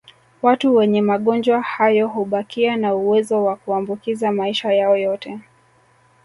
Watu wenye magonjwa hayo hubakia na uwezo wa kuambukiza maisha yao yote